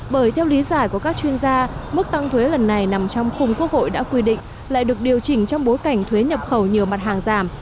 bởi theo lý giải của các chuyên gia mức tăng thuế lần này nằm trong khung quốc hội đã quy định lại được điều chỉnh trong bối cảnh thuế nhập khẩu nhiều mặt hàng giảm